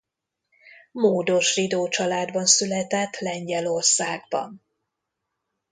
Módos zsidó családban született Lengyelországban.